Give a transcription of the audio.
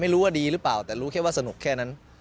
รู้ว่าดีหรือเปล่าแต่รู้แค่ว่าสนุกแค่นั้น